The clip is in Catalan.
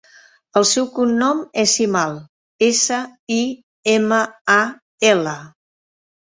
El seu cognom és Simal: essa, i, ema, a, ela.